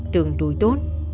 tường túi tốt